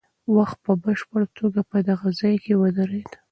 وخت په بشپړه توګه په دغه ځای کې ودرېد.